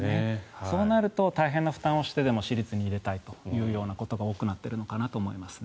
そうなると大変な負担をしてでも私立に入れたいということが多くなってるのかなと思いますね。